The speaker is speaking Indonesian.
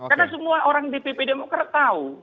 karena semua orang dpp demokrat tahu